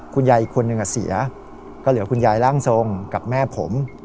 อีกคนนึงเสียก็เหลือคุณยายร่างทรงกับแม่ผม